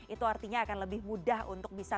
itu artinya akan lebih mudah untuk bisa